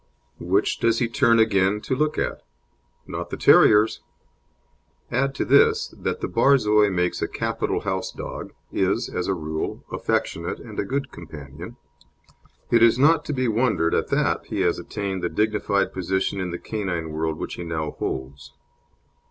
Which does he turn again to look at? Not the terriers! Add to this that the Borzoi makes a capital house dog, is, as a rule, affectionate and a good companion, it is not to be wondered at that he has attained the dignified position in the canine world which he now holds.